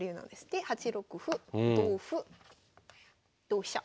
で８六歩同歩同飛車。